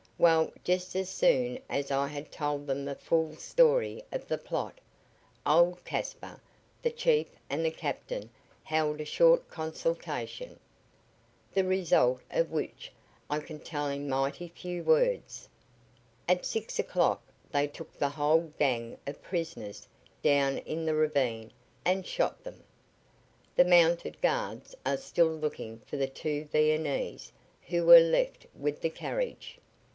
Well, just as soon as I had told them the full story of the plot, old Caspar, the chief and the captain held a short consultation, the result of which I can tell in mighty few words. At six o'clock they took the whole gang of prisoners down in the ravine and shot them. The mounted guards are still looking for the two Viennese who were left with the carriage.